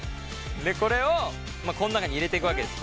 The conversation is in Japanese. これをこの中に入れていくわけです